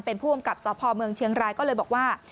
เป็นผู้กำกับสพเมืองเชียงรายก็เลยบอกว่า